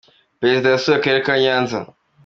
perezida yasuye akarere ka nyanza.